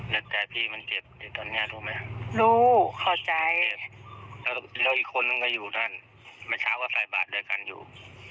แล้วแต่พี่มันเจ็บแต่ตอนนี้รู้ไหมรู้เข้าใจแล้วอีกคนนึงก็อยู่นั่นเมื่อเช้าก็ใส่บาทด้วยกันอยู่